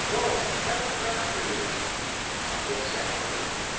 Go; Heaven prosper you!' The ascent was easy.